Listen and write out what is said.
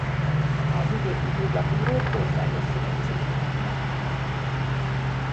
A Vidéki Hírlapírók Országos Szövetségének tagja volt.